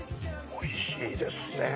美味しいですね。